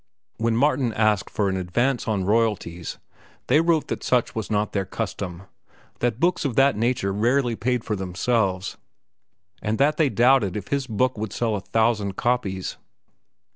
When Martin asked for an advance on royalties, they wrote that such was not their custom, that books of that nature rarely paid for themselves, and that they doubted if his book would sell a thousand copies.